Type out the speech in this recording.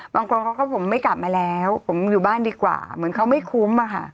บางคนเขาก็ผมไม่กลับมาแล้วผมอยู่บ้านดีกว่าเหมือนเขาไม่คุ้มอะค่ะ